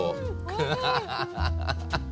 アハハハハ！